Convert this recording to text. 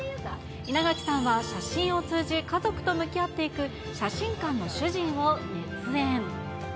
稲垣さんは写真を通じ、家族と向き合っていく写真館の主人を熱演。